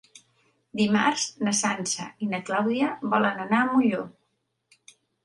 Dimarts na Sança i na Clàudia volen anar a Molló.